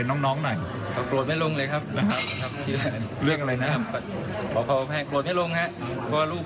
โถงครับ